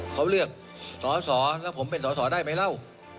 เขาเลือกสอสอแล้วผมเป็นสอสอได้ไหมเล่า